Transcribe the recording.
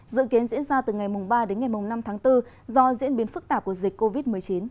dự kiến diễn ra từ ngày ba đến ngày năm tháng bốn do diễn biến phức tạp của dịch covid một mươi chín